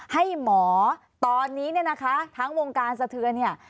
ให้หมอตอนนี้เนี่ยนะคะทั้งวงการสะเทือนเนี่ย